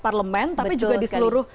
parlemen tapi juga di seluruh